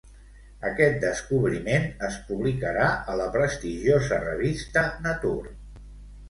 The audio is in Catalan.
Aquest descobriment es publicarà a la prestigiosa revista Nature.